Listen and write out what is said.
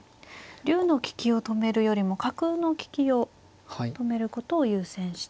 竜の利きを止めるよりも角の利きを止めることを優先して。